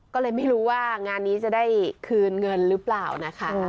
ก็เลยไม่รู้ว่างานนี้จะได้คืนเงินหรือเปล่านะคะ